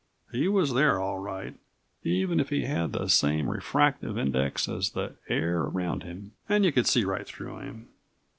He was there, all right, even if he had the same refractive index as the air around him and you could see right through him.